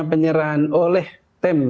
penyerahan oleh tim